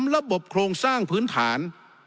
ระบบโครงสร้างพื้นฐาน